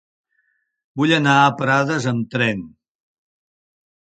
Vull anar a Prades amb tren.